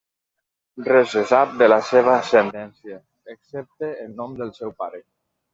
Res se sap de la seva ascendència, excepte el nom del seu pare.